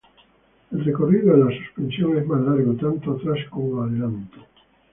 El recorrido de la suspensión es más largo tanto atrás como adelante.